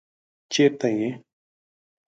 چېرته يې؟